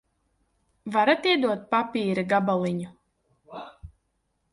Varat iedot papīra gabaliņu?